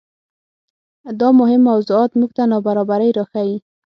دا مهم موضوعات موږ ته نابرابرۍ راښيي.